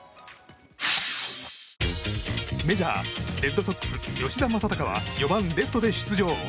メジャーレッドソックス、吉田正尚は４番レフトで出場。